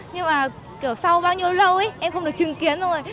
nhưng mà kiểu sau bao nhiêu lâu ấy em không được chứng kiến rồi